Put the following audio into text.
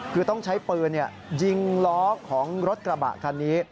คือต้องใช้ปืนยิงล้อของรถกระบะคันนี้